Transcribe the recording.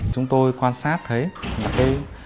chúng tôi có quan sát thấy